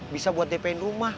bisa buat depen rumah